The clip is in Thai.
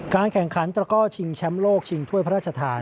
แข่งขันตระก้อชิงแชมป์โลกชิงถ้วยพระราชทาน